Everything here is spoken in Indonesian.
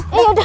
eh ya udah